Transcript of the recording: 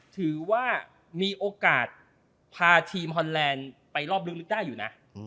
ถือว่ามีโอกาสพาทีมฮอนแลนด์ไปรอบลึกได้อยู่นะ